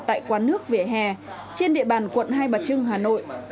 tại quán nước vỉa hè trên địa bàn quận hai bà trưng hà nội